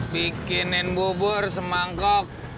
bikinin bubur semangkok